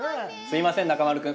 すいません、中丸君。